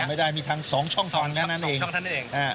ทำไม่ได้มีทั้ง๒ช่องทางนั้นเอง